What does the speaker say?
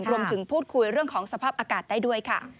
รวมถึงพูดคุยเรื่องของสภาพอากาศได้ด้วยค่ะ